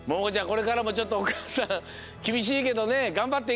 これからもちょっとおかあさんきびしいけどねがんばっていこうね。